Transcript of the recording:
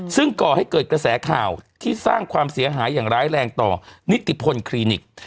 ซึ่งก่อให้เกิดกระแสข่าวที่สร้างความเสียหายอย่างร้ายแรงต่อนิติพลคลินิก